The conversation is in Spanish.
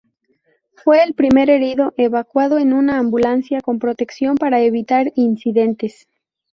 Fue el primer herido evacuado, en una ambulancia con protección para evitar incidentes.